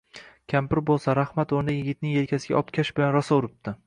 Kampir bo‘lsa, rahmat o‘rniga yigitning yelkasiga obkash bilan rosa uribdi.